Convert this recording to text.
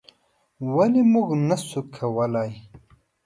ولې موږ نشو کولی؟